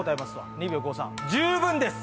２秒５３十分です！